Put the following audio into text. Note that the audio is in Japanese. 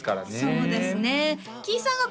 そうですね